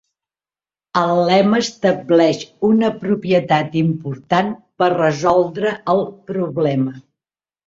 El lema estableix una propietat important per resoldre el problema.